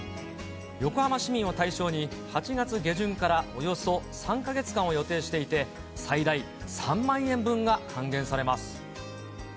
横浜市民を対象に８月下旬からおよそ３か月間を予定していて、最大３万円分が還元されます。